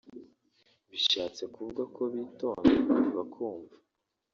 bishatse kuvuga ko bitonda bakumva